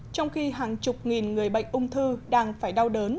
trong khi hàng chục nghìn người bệnh ung thư đang phải đau đớn